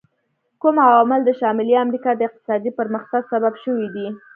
کوم عوامل د شمالي امریکا د اقتصادي پرمختګ سبب شوي دي؟